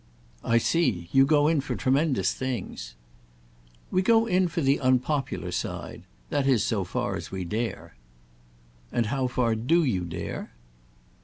"I see. You go in for tremendous things." "We go in for the unpopular side—that is so far as we dare." "And how far do you dare?"